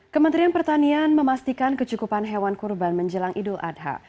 kementerian pertanian memastikan kecukupan hewan kurban menjelang idul adha